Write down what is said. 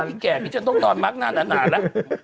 พี่แก่พี่จะต้องนอนมาร์คหน้านานานแล้ว